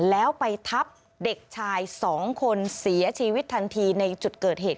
แล้วไปทับเด็กชาย๒คนเสียชีวิตทันทีในจุดเกิดเหตุ